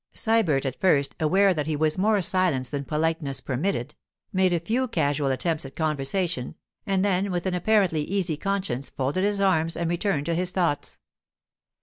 Sybert at first, aware that he was more silent than politeness permitted, made a few casual attempts at conversation, and then with an apparently easy conscience folded his arms and returned to his thoughts.